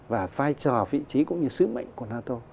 và vai trò vị trí cũng như sứ mệnh của nato